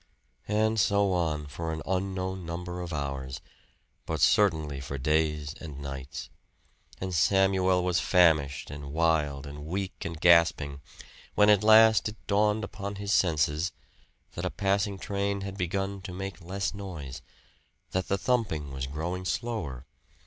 And so on, for an unknown number of hours, but certainly for days and nights. And Samuel was famished and wild and weak and gasping; when at last it dawned upon his senses that a passing train had begun to make less noise that the thumping was growing slower.